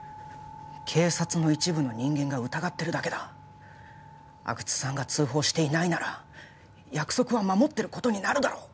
警察の一部の人間が疑ってるだけだ阿久津さんが通報していないなら約束は守ってることになるだろう？